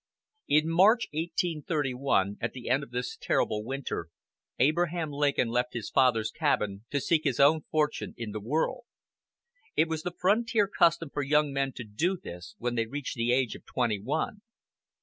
In March, 1831, at the end of this terrible winter, Abraham Lincoln left his father's cabin to seek his own fortune in the world. It was the frontier custom for young men to do this when they reached the age of twenty one.